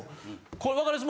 これわかります？